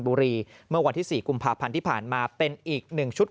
บุรีเมื่อวันที่๔กุมภาพันธ์ที่ผ่านมาเป็นอีก๑ชุด